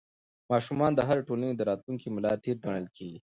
ماشومان د هرې ټولنې د راتلونکي ملا تېر ګڼل کېږي.